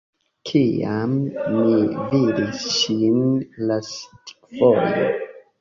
Kiam mi vidis ŝin lastfoje?